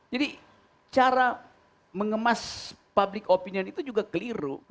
jadi cara mengemas public opinion itu juga keliru